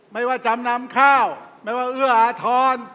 ไม่ว่าจำนำข้าวไม่ว่าเอื้ออาทร